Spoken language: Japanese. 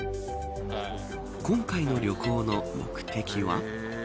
今回の旅行の目的は。